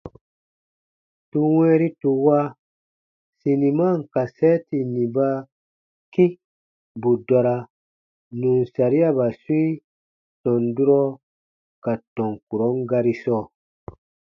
Tù wɛ̃ɛri tù wa siniman kasɛɛti nì ba kĩ bù dɔra nù n sariaba swĩi tɔn durɔ ka tɔn kurɔn gari sɔɔ.